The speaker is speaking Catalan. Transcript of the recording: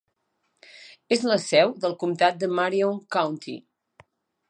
És la seu del comtat de Marion County.